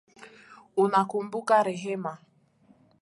Unakumbuka rehema